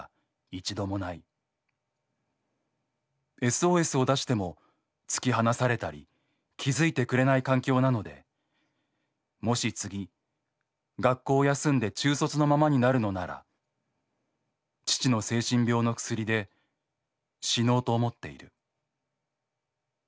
ＳＯＳを出しても突き放されたり気づいてくれない環境なのでもし次学校を休んで中卒のままになるのなら父の精神病の薬で死のうと思っている」。